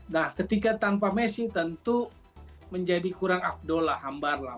nah ketika tanpa messi tentu menjadi kurang afdol lah hambar lah